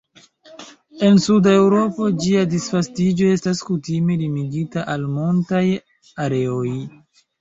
En suda Eŭropo, ĝia disvastiĝo estas kutime limigita al montaj areoj.